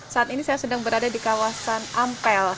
saat ini saya sedang berada di kawasan ampel